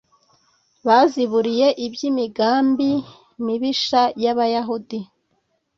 baziburiye iby’imigambi mibisha y’Abayahudi